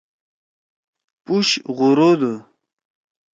پُش غُورُودُو۔